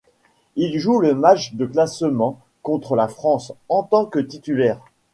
Il joue le match de classement contre la France, en tant que titulaire.